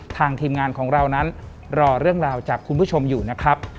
ทีมงานของเรานั้นรอเรื่องราวจากคุณผู้ชมอยู่นะครับ